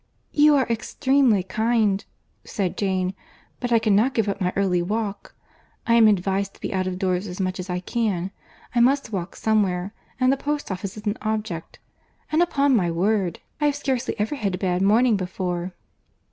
"You are extremely kind," said Jane; "but I cannot give up my early walk. I am advised to be out of doors as much as I can, I must walk somewhere, and the post office is an object; and upon my word, I have scarcely ever had a bad morning before."